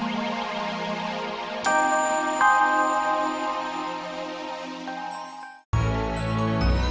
ngapain kamu kesini lagi